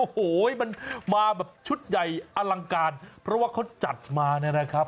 โอ้โหมันมาแบบชุดใหญ่อลังการเพราะว่าเขาจัดมาเนี่ยนะครับ